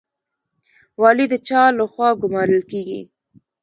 والي د چا لخوا ګمارل کیږي؟